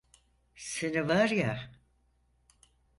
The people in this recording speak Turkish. Seni var ya…